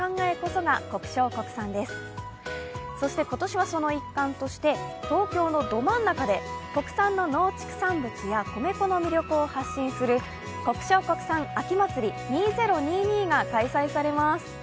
そして今年は、その一環として東京のど真ん中で、国産の農畜産物や米粉の魅力を発信する国消国産秋まつり２０２２が開催されます。